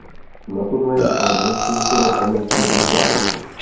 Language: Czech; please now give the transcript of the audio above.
Na turnaji ale nenastoupil ani k jednomu zápasu.